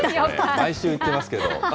毎週言ってますけれども。